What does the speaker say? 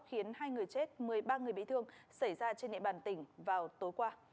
khiến hai người chết một mươi ba người bị thương xảy ra trên địa bàn tỉnh vào tối qua